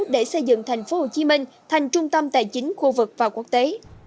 để xây dựng thành phố hồ chí minh thành trung tâm tài chính khu vực và quốc tế